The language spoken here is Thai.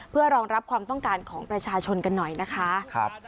เพื่อรองรับความต้องการของประชาชนกันหน่อยนะคะ